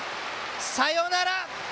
サヨナラ！